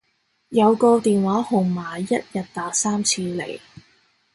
有個電話號碼一日打三次嚟